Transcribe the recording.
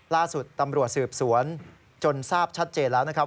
ล่าสุดตำรวจสืบสวนจนทราบชัดเจนแล้วนะครับ